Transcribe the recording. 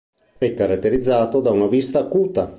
È caratterizzato da una vista acuta.